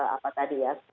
apa tadi ya